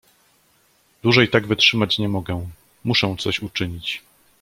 "dłużej tak wytrzymać nie mogę: muszę coś uczynić!"